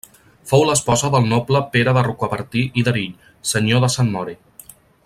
Fou l'esposa del noble Pere de Rocabertí i d'Erill, senyor de Sant Mori.